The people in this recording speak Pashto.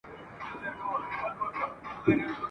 خو ځول یې په سینو کي رنځور زړونه ..